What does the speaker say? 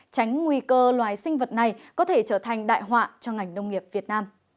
tránh nguy cơ loài sinh vật này có thể trở thành đại họa cho ngành nông nghiệp việt nam